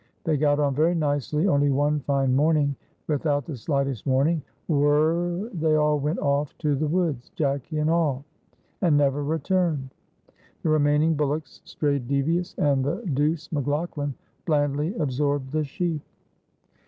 They got on very nicely, only one fine morning, without the slightest warning, whir r r r they all went off to the woods, Jacky and all, and never returned. The remaining bullocks strayed devious, and the douce McLaughlan blandly absorbed the sheep.